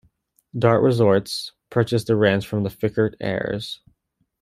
Dart Resorts purchased the ranch from the Fickert heirs.